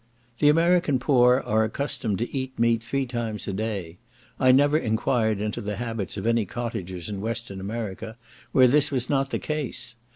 The American poor are accustomed to eat meat three times a day; I never enquired into the habits of any cottagers in Western America, where this was not the case.